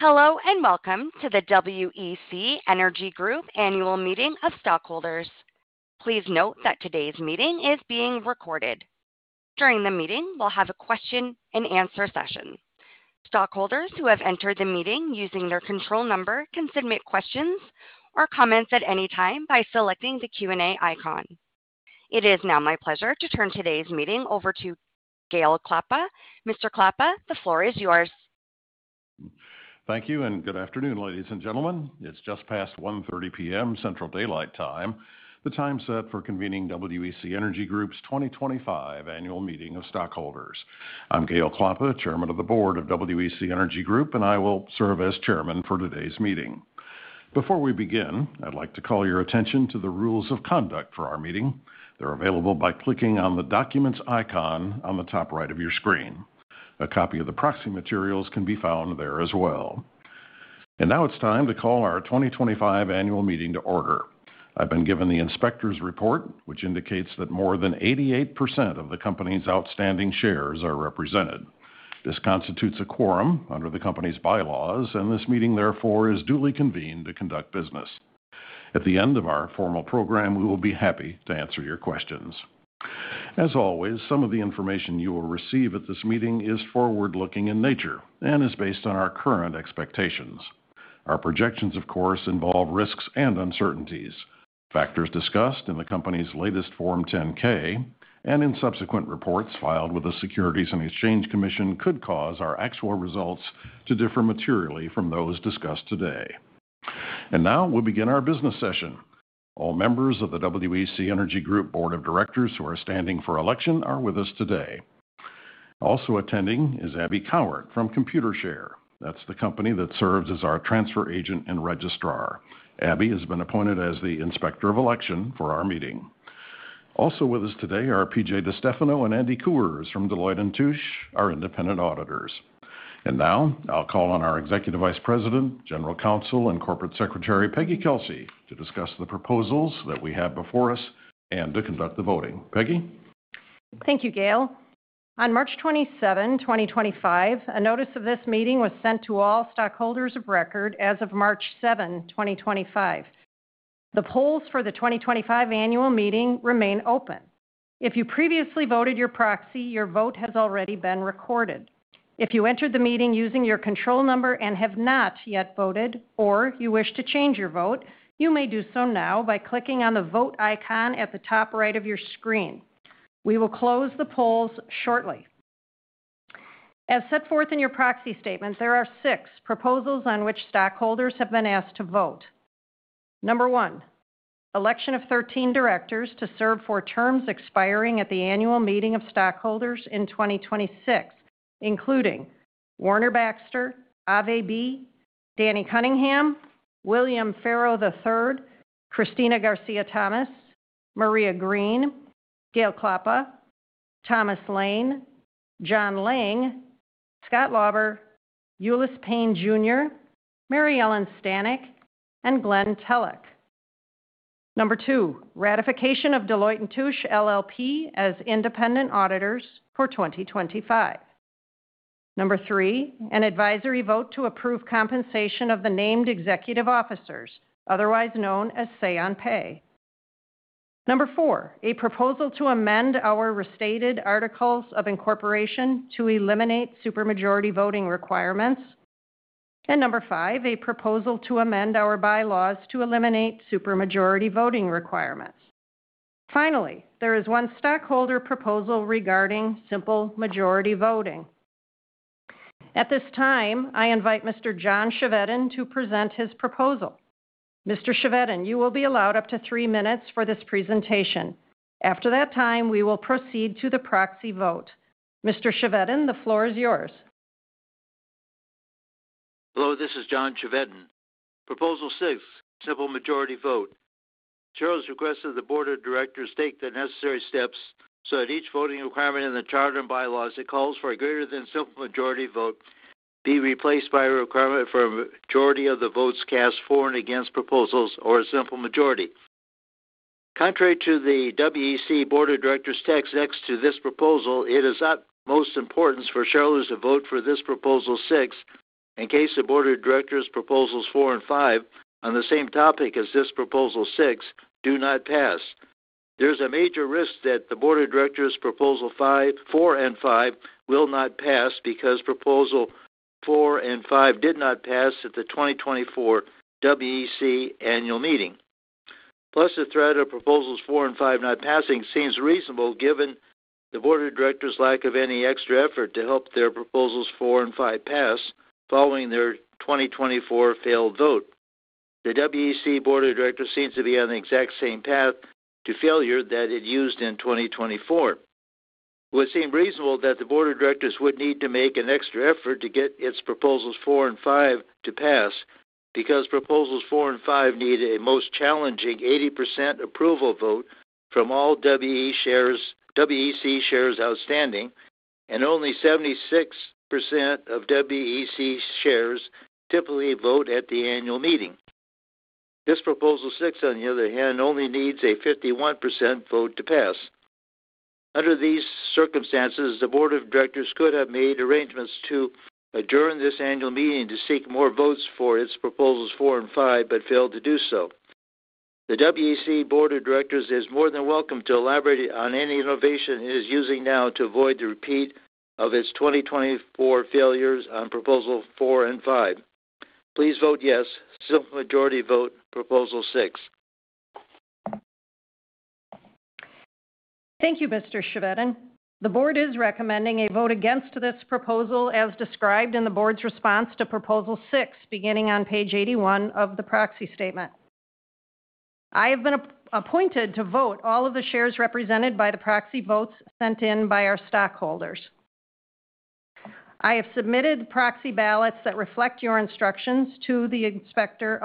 Hello and welcome to the WEC Energy Group Annual Meeting of stockholders. Please note that today's meeting is being recorded. During the meeting, we'll have a question-and-answer session. Stockholders who have entered the meeting using their control number can submit questions or comments at any time by selecting the Q&A icon. It is now my pleasure to turn today's meeting over to Gale Klappa. Mr. Klappa, the floor is yours. Thank you and good afternoon, ladies and gentlemen. It's just past 1:30 P.M. Central Daylight Time, the time set for convening WEC Energy Group's 2025 Annual Meeting of Stockholders. I'm Gale Klappa, Chairman of the Board of WEC Energy Group, and I will serve as Chairman for today's meeting. Before we begin, I'd like to call your attention to the rules of conduct for our meeting. They're available by clicking on the documents icon on the top right of your screen. A copy of the proxy materials can be found there as well. And now it's time to call our 2025 Annual Meeting to order. I've been given the inspector's report, which indicates that more than 88% of the company's outstanding shares are represented. This constitutes a quorum under the company's bylaws, and this meeting, therefore, is duly convened to conduct business. At the end of our formal program, we will be happy to answer your questions. As always, some of the information you will receive at this meeting is forward-looking in nature and is based on our current expectations. Our projections, of course, involve risks and uncertainties. Factors discussed in the company's latest Form 10-K and in subsequent reports filed with the Securities and Exchange Commission could cause our actual results to differ materially from those discussed today. And now we'll begin our business session. All members of the WEC Energy Group Board of Directors who are standing for election are with us today. Also attending is Abby Coward from Computershare. That's the company that serves as our transfer agent and registrar. Abby has been appointed as the inspector of election for our meeting. Also with us today are P.J. DiStefano and Andy Koors from Deloitte and Touche, our independent auditors. And now I'll call on our Executive Vice President, General Counsel, and Corporate Secretary Peggy Kelsey to discuss the proposals that we have before us and to conduct the voting. Peggy. Thank you, Gale. On March 27, 2025, a notice of this meeting was sent to all stockholders of record as of March 7, 2025. The polls for the 2025 Annual Meeting remain open. If you previously voted your proxy, your vote has already been recorded. If you entered the meeting using your control number and have not yet voted, or you wish to change your vote, you may do so now by clicking on the vote icon at the top right of your screen. We will close the polls shortly. As set forth in your proxy statement, there are six proposals on which stockholders have been asked to vote. Number one, election of 13 directors to serve for terms expiring at the Annual Meeting of Stockholders in 2026, including Warner Baxter, Ave Bie, Danny Cunningham, William Farrow III, Cristina Garcia-Thomas, Maria Green, Gale Klappa, Thomas Lane, Joe Laymon, Scott Lauber, Ulice Payne Jr., Mary Ellen Stanek, and Glen Tellock. Number two, ratification of Deloitte & Touche LLP as independent auditors for 2025. Number three, an advisory vote to approve compensation of the named executive officers, otherwise known as say-on-pay. Number four, a proposal to amend our restated articles of incorporation to eliminate supermajority voting requirements. And number five, a proposal to amend our bylaws to eliminate supermajority voting requirements. Finally, there is one stockholder proposal regarding simple majority voting. At this time, I invite Mr. John Chevedden to present his proposal. Mr. Chevedden, you will be allowed up to three minutes for this presentation. After that time, we will proceed to the proxy vote. Mr. Chevedden, the floor is yours. Hello, this is John Chevedden. Proposal six, simple majority vote. Shareholders request that the board of directors take the necessary steps so that each voting requirement in the charter and bylaws that calls for a greater than simple majority vote be replaced by a requirement for a majority of the votes cast for and against proposals or a simple majority. Contrary to the WEC Board of Directors text next to this proposal, it is of utmost importance for shareholders to vote for this proposal six in case the Board of Directors proposals four and five on the same topic as this proposal six do not pass. There is a major risk that the Board of Directors proposal four and five will not pass because proposal four and five did not pass at the 2024 WEC Annual Meeting. Plus, the threat of proposals four and five not passing seems reasonable given the Board of Directors' lack of any extra effort to help their proposals four and five pass following their 2024 failed vote. The WEC Board of Directors seems to be on the exact same path to failure that it used in 2024. It would seem reasonable that the Board of Directors would need to make an extra effort to get its proposals four and five to pass because proposals four and five need a most challenging 80% approval vote from all WEC shares outstanding, and only 76% of WEC shares typically vote at the Annual Meeting. This proposal six, on the other hand, only needs a 51% vote to pass. Under these circumstances, the Board of Directors could have made arrangements to adjourn this Annual Meeting to seek more votes for its proposals four and five but failed to do so. The WEC Board of Directors is more than welcome to elaborate on any innovation it is using now to avoid the repeat of its 2024 failures on proposal four and five. Please vote yes, simple majority vote proposal six. Thank you, Mr. Chevedden. The board is recommending a vote against this proposal as described in the board's response to proposal six, beginning on page 81 of the proxy statement. I have been appointed to vote all of the shares represented by the proxy votes sent in by our stockholders. I have submitted proxy ballots that reflect your instructions to the inspector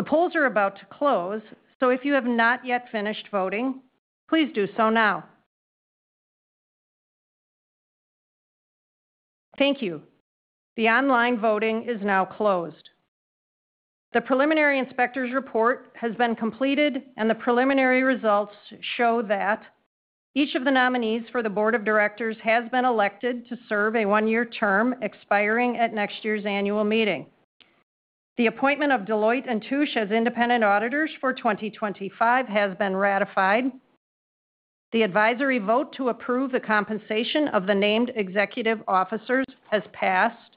of election. The polls are about to close, so if you have not yet finished voting, please do so now. Thank you. The online voting is now closed. The preliminary inspector's report has been completed, and the preliminary results show that each of the nominees for the Board of Directors has been elected to serve a one-year term expiring at next year's Annual Meeting. The appointment of Deloitte & Touche as independent auditors for 2025 has been ratified. The advisory vote to approve the compensation of the named executive officers has passed.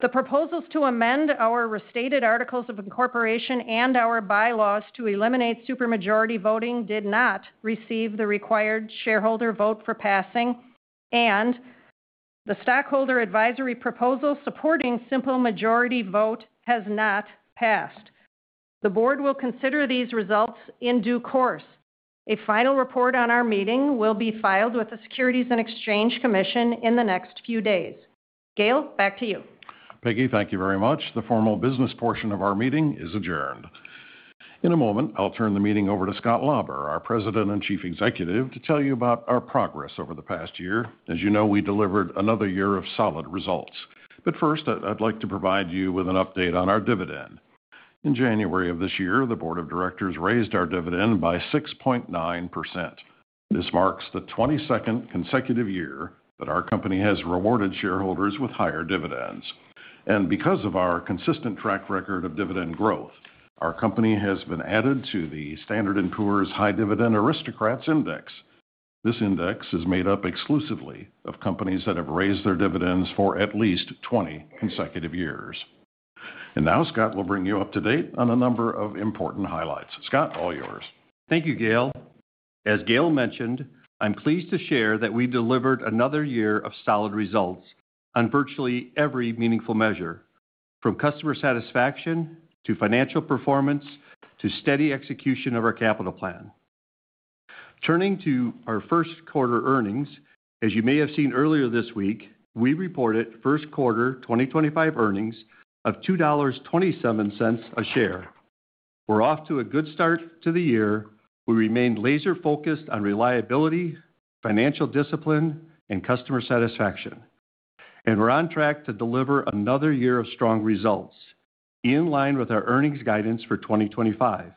The proposals to amend our restated articles of incorporation and our bylaws to eliminate supermajority voting did not receive the required shareholder vote for passing, and the stockholder advisory proposal supporting simple majority vote has not passed. The board will consider these results in due course. A final report on our meeting will be filed with the Securities and Exchange Commission in the next few days. Gale, back to you. Peggy, thank you very much. The formal business portion of our meeting is adjourned. In a moment, I'll turn the meeting over to Scott Lauber, our President and Chief Executive, to tell you about our progress over the past year. As you know, we delivered another year of solid results, but first, I'd like to provide you with an update on our dividend. In January of this year, the Board of Directors raised our dividend by 6.9%. This marks the 22nd consecutive year that our company has rewarded shareholders with higher dividends, and because of our consistent track record of dividend growth, our company has been added to the Standard & Poor's High Dividend Aristocrats Index. This index is made up exclusively of companies that have raised their dividends for at least 20 consecutive years, and now Scott will bring you up to date on a number of important highlights. Scott, all yours. Thank you, Gale. As Gale mentioned, I'm pleased to share that we delivered another year of solid results on virtually every meaningful measure, from customer satisfaction to financial performance to steady execution of our capital plan. Turning to our first quarter earnings, as you may have seen earlier this week, we reported first quarter 2025 earnings of $2.27 a share. We're off to a good start to the year. We remain laser-focused on reliability, financial discipline, and customer satisfaction. And we're on track to deliver another year of strong results in line with our earnings guidance for 2025.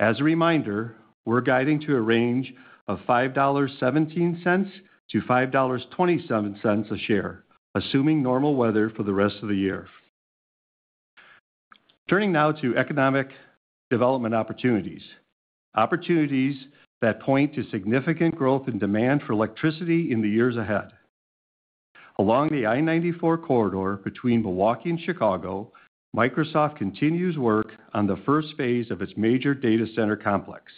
As a reminder, we're guiding to a range of $5.17-$5.27 a share, assuming normal weather for the rest of the year. Turning now to economic development opportunities, opportunities that point to significant growth in demand for electricity in the years ahead. Along the I-94 corridor between Milwaukee and Chicago, Microsoft continues work on the first phase of its major data center complex.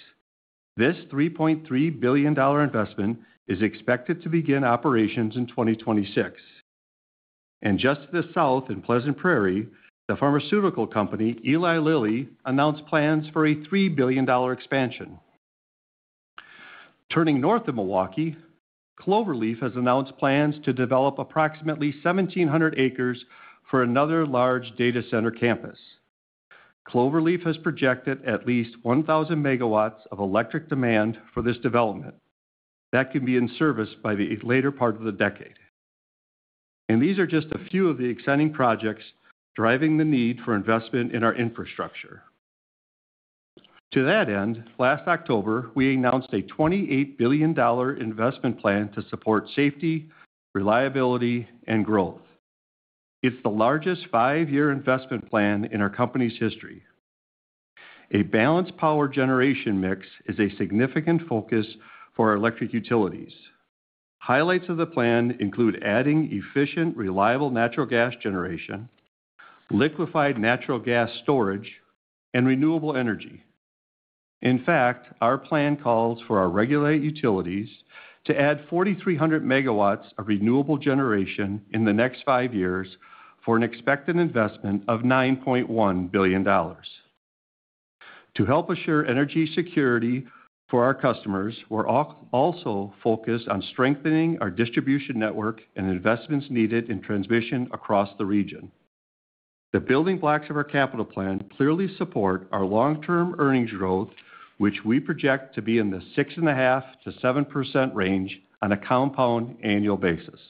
This $3.3 billion investment is expected to begin operations in 2026, and just to the south in Pleasant Prairie, the pharmaceutical company Eli Lilly announced plans for a $3 billion expansion. Turning north of Milwaukee, Cloverleaf has announced plans to develop approximately 1,700 acres for another large data center campus. Cloverleaf has projected at least 1,000 megawatts of electric demand for this development that can be in service by the later part of the decade, and these are just a few of the exciting projects driving the need for investment in our infrastructure. To that end, last October, we announced a $28 billion investment plan to support safety, reliability, and growth. It's the largest five-year investment plan in our company's history. A balanced power generation mix is a significant focus for electric utilities. Highlights of the plan include adding efficient, reliable natural gas generation, liquefied natural gas storage, and renewable energy. In fact, our plan calls for our regulated utilities to add 4,300 megawatts of renewable generation in the next five years for an expected investment of $9.1 billion. To help assure energy security for our customers, we're also focused on strengthening our distribution network and investments needed in transmission across the region. The building blocks of our capital plan clearly support our long-term earnings growth, which we project to be in the 6.5%-7% range on a compound annual basis.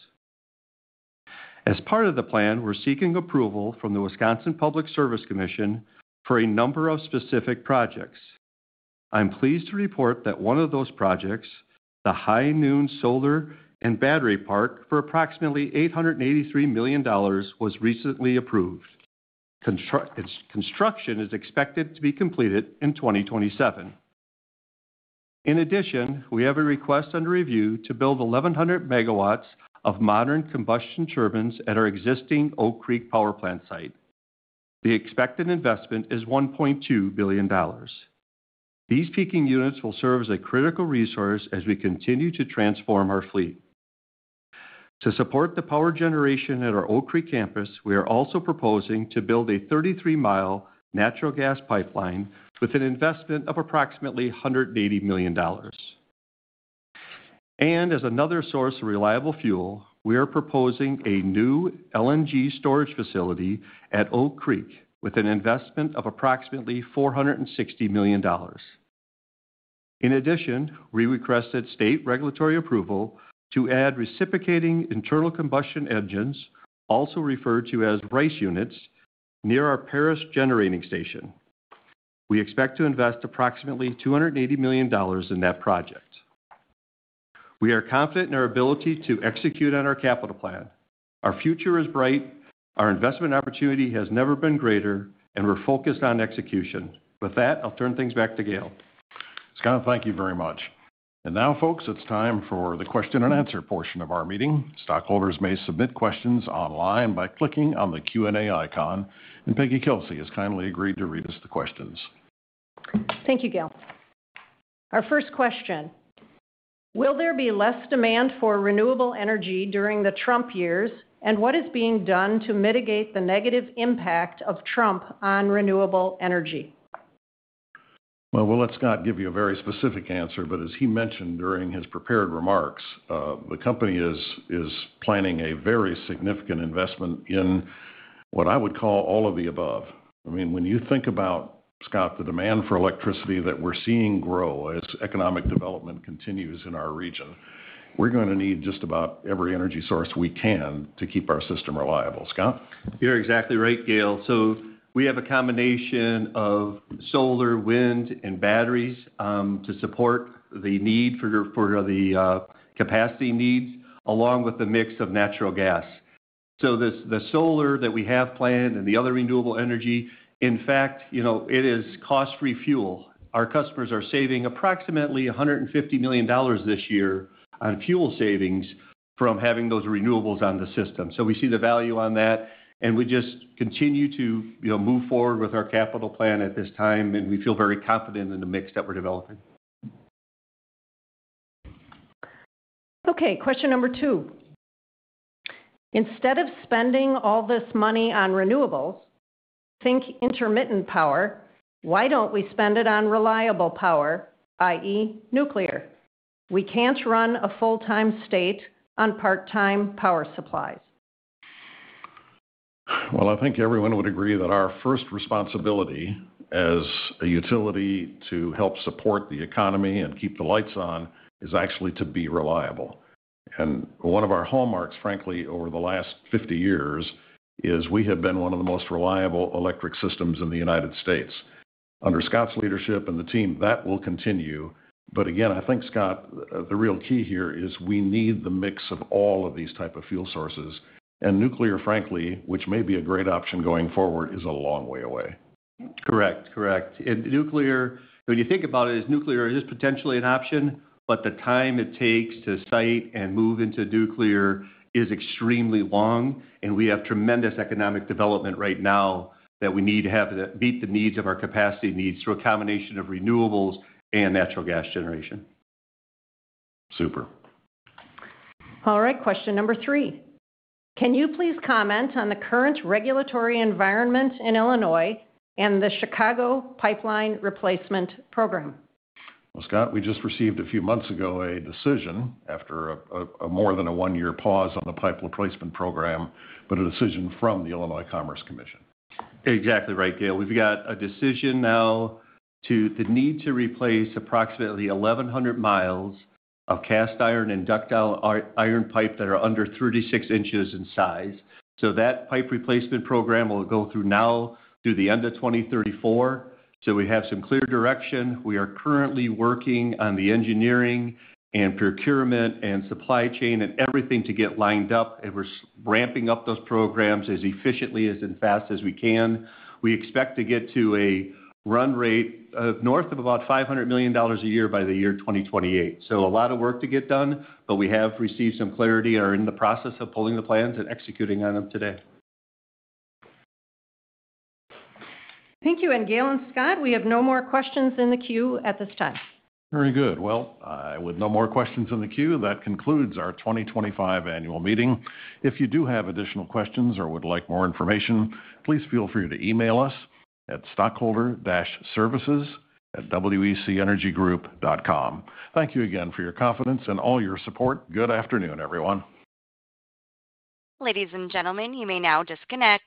As part of the plan, we're seeking approval from the Wisconsin Public Service Commission for a number of specific projects. I'm pleased to report that one of those projects, the High Noon Solar and Battery Park, for approximately $883 million was recently approved. Construction is expected to be completed in 2027. In addition, we have a request under review to build 1,100 megawatts of modern combustion turbines at our existing Oak Creek power plant site. The expected investment is $1.2 billion. These peaking units will serve as a critical resource as we continue to transform our fleet. To support the power generation at our Oak Creek campus, we are also proposing to build a 33-mile natural gas pipeline with an investment of approximately $180 million, and as another source of reliable fuel, we are proposing a new LNG storage facility at Oak Creek with an investment of approximately $460 million. In addition, we requested state regulatory approval to add reciprocating internal combustion engines, also referred to as RICE units, near our Paris generating station. We expect to invest approximately $280 million in that project. We are confident in our ability to execute on our capital plan. Our future is bright. Our investment opportunity has never been greater, and we're focused on execution. With that, I'll turn things back to Gale. Scott, thank you very much. And now, folks, it's time for the question and answer portion of our meeting. Stockholders may submit questions online by clicking on the Q&A icon. And Peggy Kelsey has kindly agreed to read us the questions. Thank you, Gale. Our first question: Will there be less demand for renewable energy during the Trump years, and what is being done to mitigate the negative impact of Trump on renewable energy? We'll let Scott give you a very specific answer. But as he mentioned during his prepared remarks, the company is planning a very significant investment in what I would call all of the above. I mean, when you think about, Scott, the demand for electricity that we're seeing grow as economic development continues in our region, we're going to need just about every energy source we can to keep our system reliable. Scott? You're exactly right, Gale. So we have a combination of solar, wind, and batteries to support the need for the capacity needs, along with the mix of natural gas. So the solar that we have planned and the other renewable energy, in fact, it is cost-free fuel. Our customers are saving approximately $150 million this year on fuel savings from having those renewables on the system. So we see the value on that. And we just continue to move forward with our capital plan at this time, and we feel very confident in the mix that we're developing. Okay. Question number two. Instead of spending all this money on renewables, think intermittent power, why don't we spend it on reliable power, i.e., nuclear? We can't run a full-time state on part-time power supplies. I think everyone would agree that our first responsibility as a utility to help support the economy and keep the lights on is actually to be reliable. And one of our hallmarks, frankly, over the last 50 years is we have been one of the most reliable electric systems in the United States. Under Scott's leadership and the team, that will continue. But again, I think, Scott, the real key here is we need the mix of all of these types of fuel sources. And nuclear, frankly, which may be a great option going forward, is a long way away. Correct. Correct. When you think about it, is nuclear potentially an option? But the time it takes to site and move into nuclear is extremely long. And we have tremendous economic development right now that we need to have to meet the needs of our capacity needs through a combination of renewables and natural gas generation. Super. All right. Question number three. Can you please comment on the current regulatory environment in Illinois and the Chicago pipeline replacement program? Scott, we just received a few months ago a decision after more than a one-year pause on the pipe replacement program, but a decision from the Illinois Commerce Commission. Exactly right, Gale. We've got a decision now to the need to replace approximately 1,100 miles of cast iron and ductile iron pipe that are under 36 inches in size, so that pipe replacement program will go through now through the end of 2034, so we have some clear direction. We are currently working on the engineering and procurement and supply chain and everything to get lined up, and we're ramping up those programs as efficiently and as fast as we can. We expect to get to a run rate north of about $500 million a year by the year 2028, so a lot of work to get done, but we have received some clarity and are in the process of pulling the plans and executing on them today. Thank you. And Gale and Scott, we have no more questions in the queue at this time. Very good. Well, with no more questions in the queue, that concludes our 2025 annual meeting. If you do have additional questions or would like more information, please feel free to email us at stockholder-services@wecenergygroup.com. Thank you again for your confidence and all your support. Good afternoon, everyone. Ladies and gentlemen, you may now disconnect.